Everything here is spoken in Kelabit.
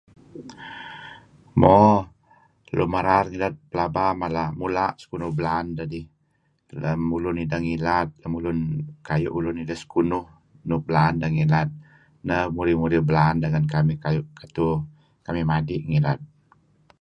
Mo, lun merar ngilad pelaba mala, mula' sekunuh belaan dedih lem ulun deh ngilad, lem ulun kayu' ulun ideh sekunuh nuk belaan deh ngilad neh muruh-murih belaan deh ngen kamih kayu' katu kamih madi' ngilad.